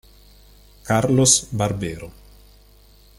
Carlos Barbero